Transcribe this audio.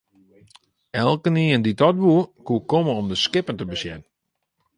Elkenien dy't dat woe, koe komme om de skippen te besjen.